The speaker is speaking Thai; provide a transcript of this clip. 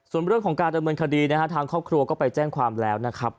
ส่วนเรื่องของการดำเนินคดีนะฮะทางครอบครัวก็ไปแจ้งความแล้วนะครับ